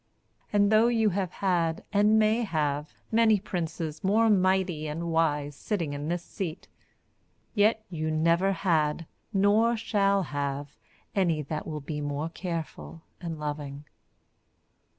And though you have had, and may have, many princes more mighty and wise sitting in this seat, yet you never had nor shall have, any that will be more careful and loving.